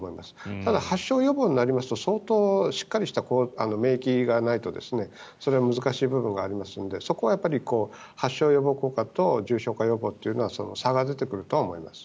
ただ、発症予防になると相当しっかりした免疫がないとそれは難しい部分がありますのでそれは発症予防効果と重症化予防というのは差が出てくるとは思います。